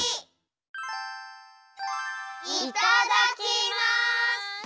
いただきます！